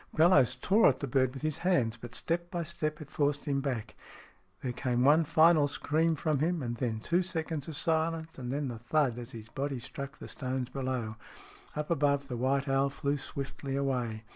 Bellowes tore at the bird with his hands, but step by step it forced him back. There came one final scream from him, and then two seconds of silence, and then the thud as his body struck the stones below. Up above, the white owl flew swiftly away.